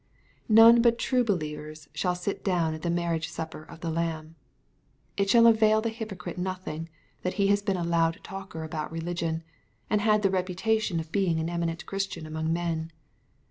None but true believers shall sit down at the marriage supper of the Lamb. It shall avail the hypocrite nothing that he has been a loud talker about religion, and had the reputation of being an eminent Christian among men.